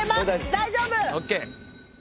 大丈夫！